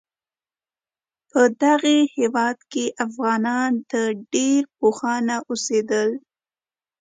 په دغه هیواد کې افغانان د ډیر پخوانه اوسیدل